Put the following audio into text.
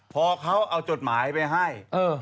พอเขาเอาจดหมายไปให้